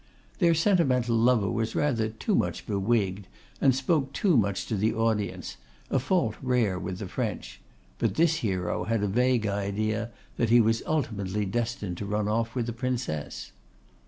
Their sentimental lover was rather too much bewigged, and spoke too much to the audience, a fault rare with the French; but this hero had a vague idea that he was ultimately destined to run off with a princess.